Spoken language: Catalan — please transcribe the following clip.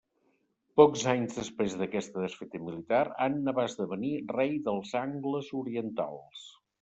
Pocs anys després d'aquesta desfeta militar, Anna va esdevenir rei dels angles orientals.